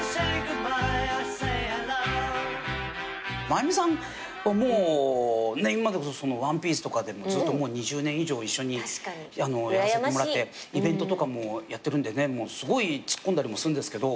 真弓さんはもう今でこそ『ワンピース』とかでずっと２０年以上一緒にやらせてもらってイベントとかもやってるんでねすごいツッコんだりもするんですけど。